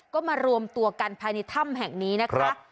ก็มารวมตัวกันภายในถ้ำแห่งนี้นะคะ